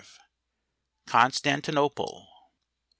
Constantinople.